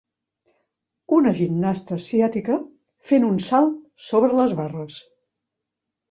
una gimnasta asiàtica fent un salt sobre les barres